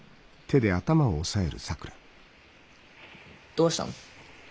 どうしたの？